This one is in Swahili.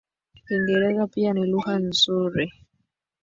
Kiingereza pia ni lugha nzuri